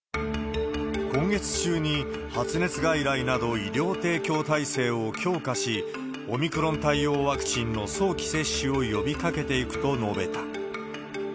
今月中に発熱外来など、医療提供体制を強化し、オミクロン対応ワクチンの早期接種を呼びかけていくと述べた。